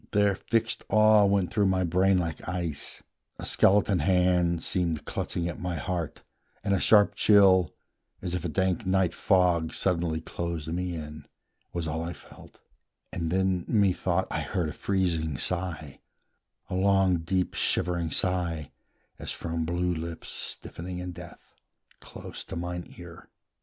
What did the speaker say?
Their fixed awe went through my brain like ice, A skeleton hand seemed clutching at my heart, And a sharp chill, as if a dank night fog Suddenly closed me in, was all I felt: And then, methought, I heard a freezing sigh, A long, deep, shivering sigh, as from blue lips Stiffening in death, close to mine ear.